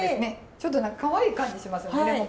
ちょっと何かかわいい感じしますよねレモン